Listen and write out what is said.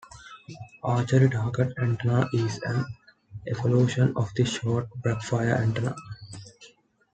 Archery target antenna is an evolution of the short-backfire antenna.